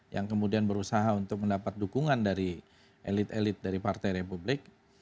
yang kemudian berusaha untuk mendapat dukungan dari elit elit dari partai republik